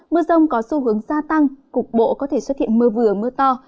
mưa rông có xu hướng gia tăng cục bộ có thể xuất hiện mưa vừa mưa to